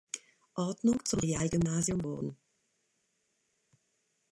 Ordnung zum Realgymnasium wurden.